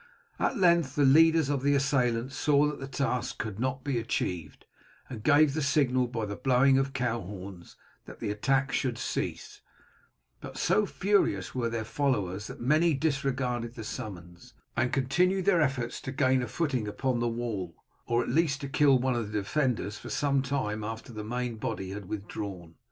At length the leaders of the assailants saw that the task could not be achieved, and gave the signal by the blowing of cow horns that the attack should cease; but so furious were their followers that many disregarded the summons, and continued their efforts to gain a footing upon the wall, or at least to kill one of its defenders, for some time after the main body had withdrawn.